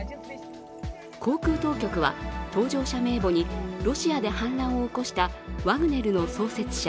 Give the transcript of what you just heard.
航空当局は搭乗者名簿にロシアで反乱を起こしたワグネルの創設者